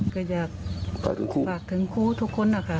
ต้องฝากถึงครูทุกคนค่ะ